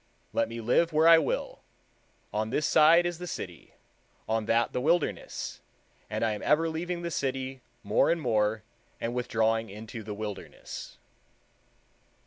Let me live where I will, on this side is the city, on that the wilderness, and ever I am leaving the city more and more, and withdrawing into the wilderness.